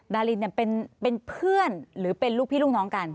ดารินเป็นเพื่อนหรือเป็นลูกพี่ลูกน้องกัน